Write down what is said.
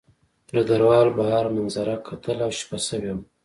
ډګروال بهر منظره کتله او شپه شوې وه